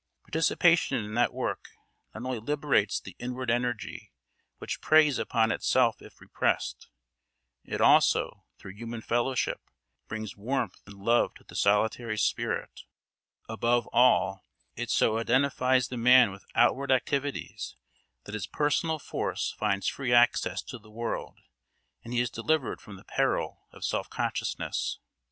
Participation in that work not only liberates the inward energy which preys upon itself if repressed; it also, through human fellowship, brings warmth and love to the solitary spirit; above all, it so identifies the man with outward activities that his personal force finds free access to the world, and he is delivered from the peril of self consciousness.